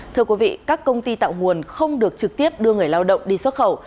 thưa quý vị các công ty tạo nguồn không được trực tiếp đưa người lao động đi xuất khẩu